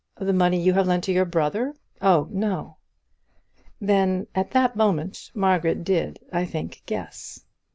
The money you have lent to your brother? Oh, no." Then, at that moment, Margaret did, I think, guess.